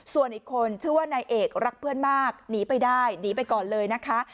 ส่วนอีกคนชื่อว่านายเอกรักเพื่อนมากหนีไปได้หนีไปก่อนเลยนะคะ